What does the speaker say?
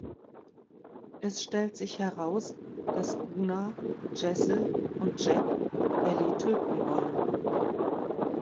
Es stellt sich heraus, dass Una, Jesse und Jack Ellie töten wollen.